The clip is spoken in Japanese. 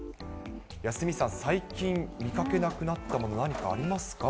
鷲見さん、最近、見かけなくなったもの、何かありますか。